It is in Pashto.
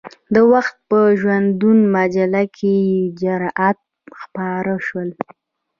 د وخت په ژوندون مجله کې یې جزئیات خپاره شول.